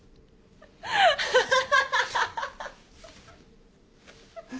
アハハハハ！